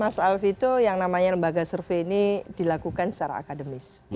mas alvito yang namanya lembaga survei ini dilakukan secara akademis